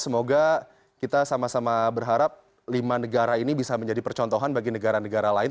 semoga kita sama sama berharap lima negara ini bisa menjadi percontohan bagi negara negara lain